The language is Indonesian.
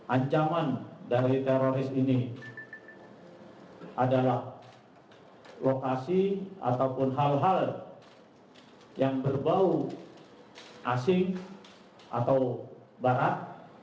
ancaman dari teroris ini adalah lokasi ataupun hal hal yang berbau asing atau barat